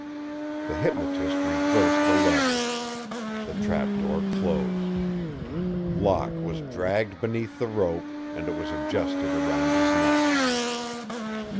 The hypnotist reversed the lever. The trap door closed. Locke was dragged beneath the rope and it was adjusted around his neck.